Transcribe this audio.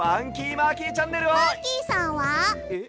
マーキーさんは？えっ？